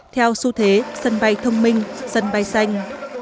theo xu thế sân bay thông minh sân bay xanh